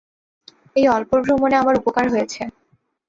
এই অল্প ভ্রমণে আমার উপকার হয়েছে।